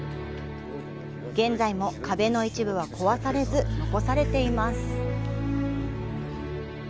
現在も、壁の一部は壊されず残されています。